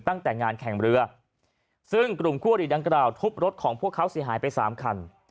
ตั้งแต่งานแข่งเรือซึ่งกลุ่มคั่วหรี่ดังกล่าวทุบรถของพวกเขาเสียหายไปสามคัน